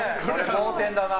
盲点だな。